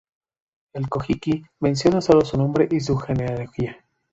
El "Kojiki" menciona solo su nombre y su genealogía.